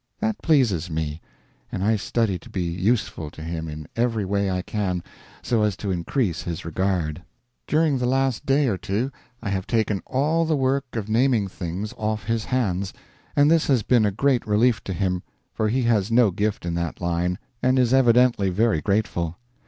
That pleases me, and I study to be useful to him in every way I can, so as to increase his regard. During the last day or two I have taken all the work of naming things off his hands, and this has been a great relief to him, for he has no gift in that line, and is evidently very grateful.